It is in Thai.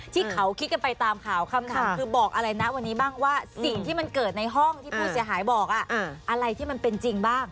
ที่เขาคิดกันไปตามข่าวคำถามคือบอกอะไรนะวันนี้บ้างว่าสิ่งที่มันเกิดในห้องที่ผู้เสียหายบอกอะไรที่มันเป็นจริงบ้าง